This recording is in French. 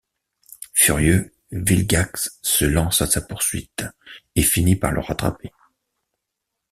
Furieux, Vilgax se lance à sa poursuite, et finit par le rattraper.